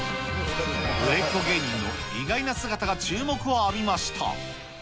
売れっ子芸人の意外な姿が注目を浴びました。